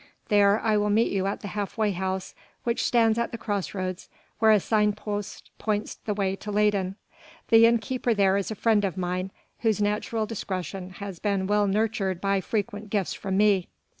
There I will meet you at the half way house which stands at the cross roads where a signpost points the way to Leyden. The innkeeper there is a friend of mine, whose natural discretion has been well nurtured by frequent gifts from me.